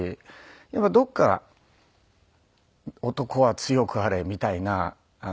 やっぱりどこか男は強くあれみたいな気持ちも。